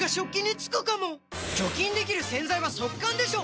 除菌できる洗剤は速乾でしょ！